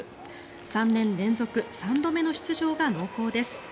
３年連続３度目の出場が濃厚です。